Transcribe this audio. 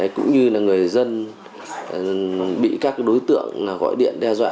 cũng như là người dân bị các đối tượng gọi điện đe dọa